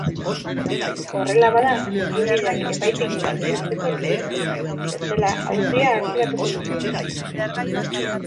Horrela bada, eginbideak epaitegien esku utziko lituzke, bestela auzia artxibatuko luke.